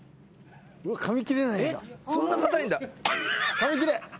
かみ切れ！